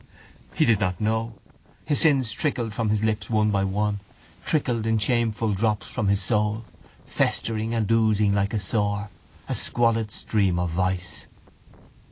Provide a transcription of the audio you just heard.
He did not know. His sins trickled from his lips, one by one, trickled in shameful drops from his soul, festering and oozing like a sore, a squalid stream of vice.